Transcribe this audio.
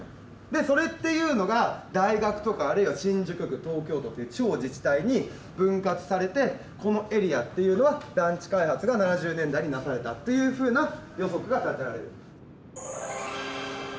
でそれっていうのが大学とかあるいは新宿区東京都という地方自治体に分割されてこのエリアっていうのは団地開発が７０年代になされたというふうな予測が立てられる。